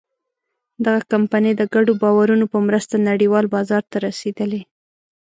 دغه کمپنۍ د ګډو باورونو په مرسته نړۍوال بازار ته رسېدلې.